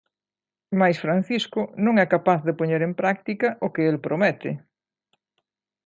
Mais Francisco non é capaz de poñer en práctica o que el promete.